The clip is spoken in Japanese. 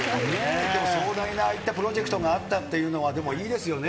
でも、壮大なああいったプロジェクトがあったっていうのは、でもいいですよね。